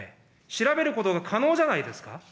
調べることは可能じゃないですか。